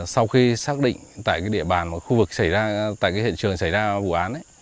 sau khi xác định tại địa bàn khu vực xảy ra tại hiện trường xảy ra vụ án